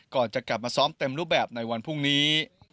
ก่อนจะกลับมาซ้อมเต็มรูปแบบในวันพรุ่งนี้